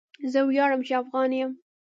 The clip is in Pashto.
زه ویاړم چې افغان یم.